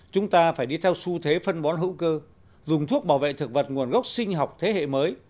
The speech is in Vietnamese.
chúng ta phải đi theo xu thế phân bón hữu cơ dùng thuốc bảo vệ thực vật nguồn gốc sinh học thế hệ mới